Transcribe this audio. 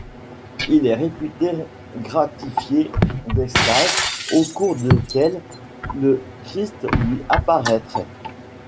Il est réputé gratifié d'extases, au cours desquelles le Christ lui apparaîtrait.